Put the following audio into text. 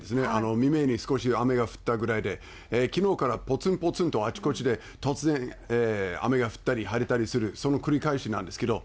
未明に少し雨が降ったぐらいで、きのうからぽつんぽつんと、あちこちで突然雨が降ったり、晴れたりする、その繰り返しなんですけど、